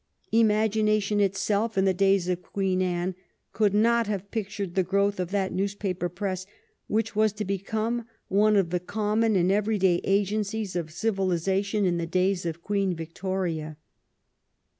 Imagination itself in the days of Queen Anne could not have pictured the growth of that newspaper press which was to become one of the com mon and every day agencies of civilization in the days of Queen Victoria.